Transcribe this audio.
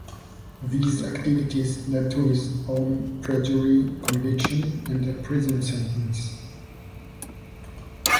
These activities led to his own perjury conviction and a prison sentence.